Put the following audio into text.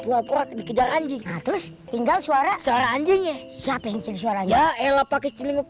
keloprak dikejar anjing terus tinggal suara suara anjingnya siapin suara ya ella pakai celinguk